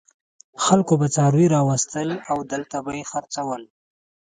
خلکو به څاروي راوستل او دلته به یې خرڅول.